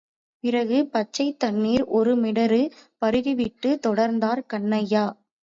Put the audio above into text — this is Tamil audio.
பிறகு பச்சைத் தண்ணீர் ஒரு மிடறு பருகிவிட்டுத் தொடர்ந்தார் கன்யா!..